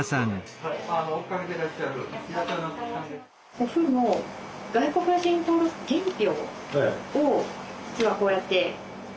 祖父の外国人登録原票を実はこうやって。